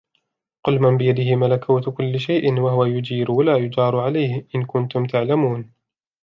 قُلْ مَنْ بِيَدِهِ مَلَكُوتُ كُلِّ شَيْءٍ وَهُوَ يُجِيرُ وَلَا يُجَارُ عَلَيْهِ إِنْ كُنْتُمْ تَعْلَمُونَ